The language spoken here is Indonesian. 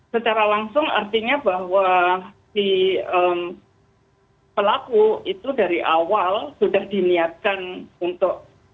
secara langsung artinya bahwa si pelaku itu dari awal sudah diniatkan untuk